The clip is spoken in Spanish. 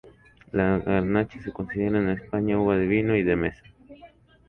La garnacha se considera en España uva de vino y de mesa.